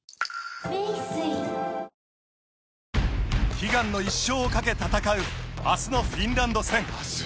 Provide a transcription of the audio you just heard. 悲願の１勝をかけ戦う明日のフィンランド戦。